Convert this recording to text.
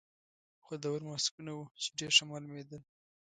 خوندور ماسکونه وو، چې ډېر ښه معلومېدل.